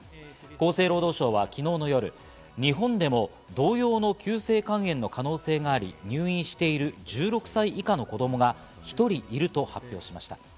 厚生労働省は昨日の夜、日本でも同様の急性肝炎の可能性があり、入院している１６歳以下の子供が１人いると発表しました。